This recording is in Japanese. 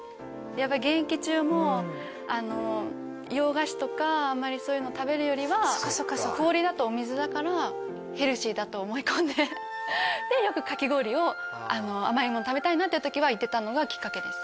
やっぱ現役中も洋菓子とかあまりそういうの食べるよりはだと思い込んででよくかき氷を甘いもの食べたいなっていう時は行ってたのがきっかけです